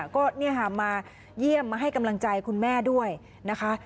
ก็มาเยี่ยมมาให้กำลังใจคุณแม่ด้วยนะคะ